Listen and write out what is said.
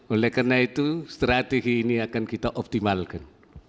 oleh karena itu strategi ini akan kita optimalkan